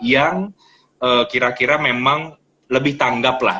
yang kira kira memang lebih tanggap lah